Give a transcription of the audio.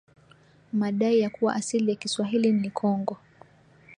madai ya kuwa asili ya Kiswahili ni Kongo